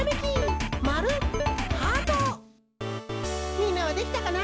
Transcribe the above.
みんなはできたかな？